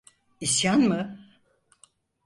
İsyan mı?